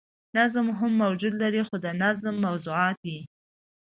نظم هم وجود لري خو د نظم موضوعات ئې